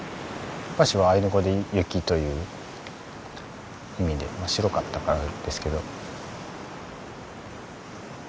ウパシはアイヌ語で雪という意味でまあ白かったからですけど。